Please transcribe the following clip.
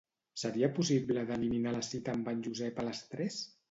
Seria possible d'eliminar la cita amb en Josep a les tres?